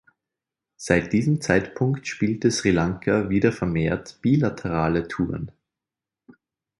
Seit diesem Zeitpunkt spielte Sri Lanka wieder vermehrt bilaterale Touren.